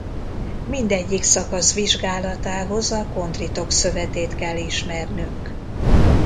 Mindegyik szakasz vizsgálatához a kondritok szövetét kell ismernünk.